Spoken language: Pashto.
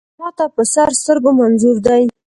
ما ته په سر سترګو منظور دی.